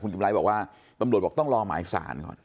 แต่คุณกิมไร้บอกว่าตำรวจบอกต้องรอหมายสารก่อน